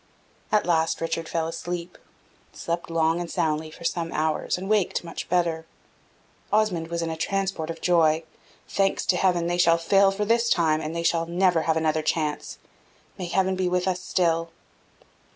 At last Richard fell asleep, slept long and soundly for some hours, and waked much better. Osmond was in a transport of joy: "Thanks to Heaven, they shall fail for this time and they shall never have another chance! May Heaven be with us still!"